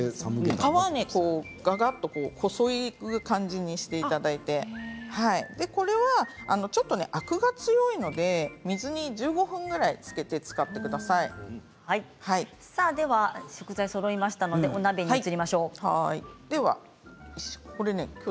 皮を皮をこそげる感じにしていただいてこれはアクが強いので水に１５分ぐらいつけて食材そろいましたのでお鍋に移りましょう。